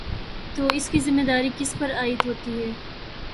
تو اس کی ذمہ داری کس پر عائد ہوتی ہے؟